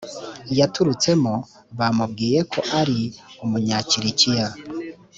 yaturutsemo bamubwiye yuko ari umunyakilikiya